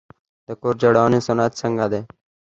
د کور جوړونې صنعت څنګه دی؟